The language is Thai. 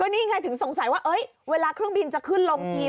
นี่ไงถึงสงสัยว่าเวลาเครื่องบินจะขึ้นลงทีม